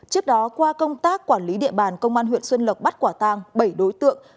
trước đó qua công tác quản lý địa bàn công an huyện xuân lộc bắt quả tang bảy đối tượng